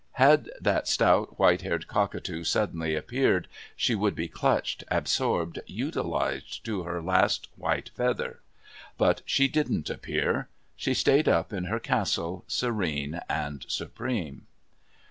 Had that stout white haired cockatoo suddenly appeared, she would be clutched, absorbed, utilised to her last white feather. But she didn't appear. She stayed up in her Castle, serene and supreme.